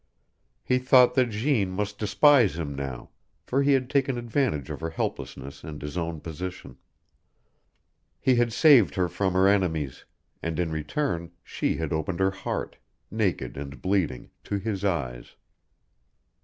He thought that Jeanne must despise him now, for he had taken advantage of her helplessness and his own position. He had saved her from her enemies; and in return she had opened her heart, naked and bleeding, to his eyes.